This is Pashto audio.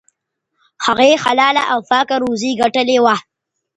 هغې حلاله او پاکه روزي ګټلې وه.